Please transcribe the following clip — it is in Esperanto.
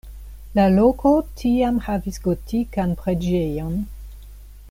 La loko tiam havis gotikan preĝejon.